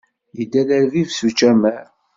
Yedda d arbib s učamar.